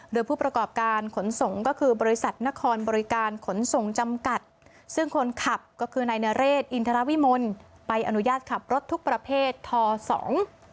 โดยผู้ประกอบการขนส่งก็คือบริษัทนครบริการขนส่งจำกัดซึ่งคนขับก็คือนายนเรศอินทรวิมลไปอนุญาตขับรถทุกประเภททอสอง